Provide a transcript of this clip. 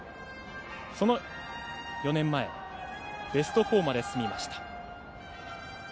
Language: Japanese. その４年前ベスト４まで進みました。